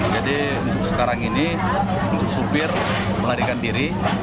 untuk sekarang ini untuk supir melarikan diri